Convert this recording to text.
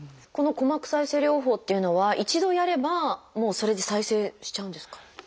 この鼓膜再生療法っていうのは一度やればもうそれで再生しちゃうんですか？